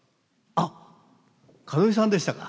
あっ門井さんでしたか。